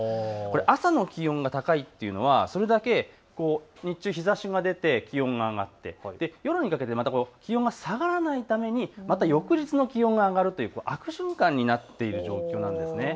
朝の気温が高いというのはそれだけ日中、日ざしが出て気温が上がって夜にかけてまた気温が下がらないためにまた翌日の気温が上がるという悪循環になっている状況なんです。